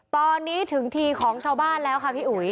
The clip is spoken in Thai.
ตอนนี้ถึงทีของชาวบ้านแล้วค่ะพี่อุ๋ย